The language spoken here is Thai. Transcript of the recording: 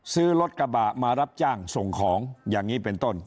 ซื้อรถกระบะมารับจ้างส่งของอย่างนี้เป็นต้น